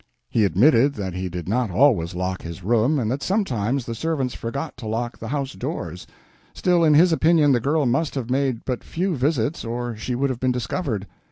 He admitted that he did not always lock his room, and that sometimes the servants forgot to lock the house doors; still, in his opinion the girl must have made but few visits or she would have been discovered.